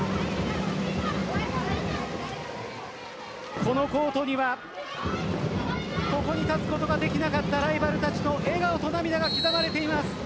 このコートにはここに立つことができなかったライバルたちの笑顔と涙が刻まれています。